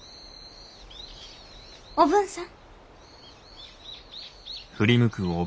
おぶんさん。